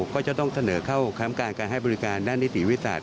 ก็จะต้องเสนอเข้าค้ำการการให้บริการด้านนิติวิทยาศาสต